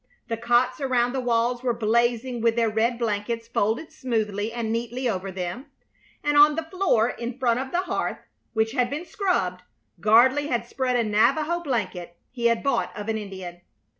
The cots around the walls were blazing with their red blankets folded smoothly and neatly over them, and on the floor in front of the hearth, which had been scrubbed, Gardley had spread a Navajo blanket he had bought of an Indian.